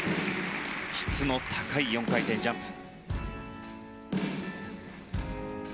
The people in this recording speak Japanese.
質の高い４回転ジャンプ。